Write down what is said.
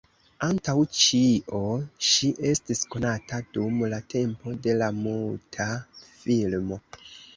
Antaŭ ĉio ŝi estis konata dum la tempo de la muta filmo.